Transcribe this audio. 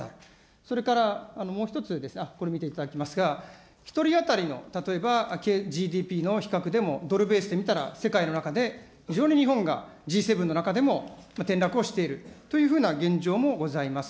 それから、もう一つですね、あっ、これ見ていただきますが、１人当たりの例えば、ＧＤＰの比較でもドルベースで見たら世界の中で非常に日本がＧ７の中でも、転落しているというふうな現状もございます。